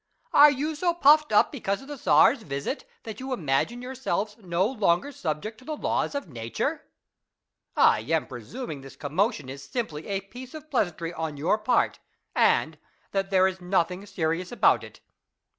Are you so puffed up because of the Czar's visit,'^ that you imagine yourselves no longer subject to the laws of Nature ? I am presum ing this commotion is simply a piece of pleasantry on your part, and that, there is nothing serious about it.